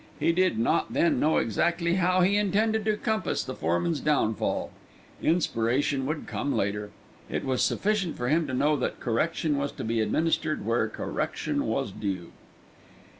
He did not then know exactly how he intended to compass the foreman's downfall. Inspiration would come later. It was sufficient for him to know that correction was to be administered where correction was due.